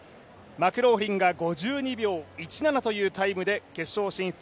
マクローフリンが５２秒１７というタイムで決勝進出。